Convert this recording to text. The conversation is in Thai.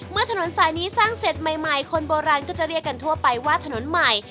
ถนนสายนี้สร้างเสร็จใหม่คนโบราณก็จะเรียกกันทั่วไปว่าถนนใหม่